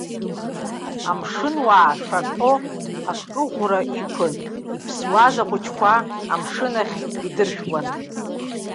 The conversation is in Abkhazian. Амшынуаа шаҟьо акыӷәра иқәын, иԥсуаз ахәыҷқәа амшын ахь идыршәуан.